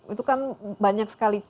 itu kan banyak sekali